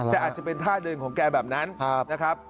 แต่อาจจะเป็นท่าเดินของแกแบบนั้นนะครับ